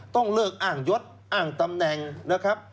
ต้องเลิกอ้างยศอ้างตำแหน่งนะครับ